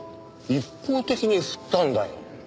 一方的に振ったんだよ。